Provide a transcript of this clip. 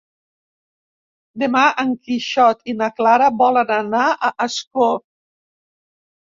Demà en Quixot i na Clara volen anar a Ascó.